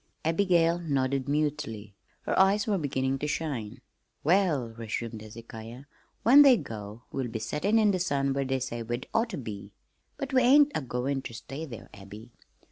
Abigail nodded mutely. Her eyes were beginning to shine. "Well," resumed Hezekiah, "when they go we'll be settin' in the sun where they say we'd oughter be. But we ain't agoin' ter stay there, Abby.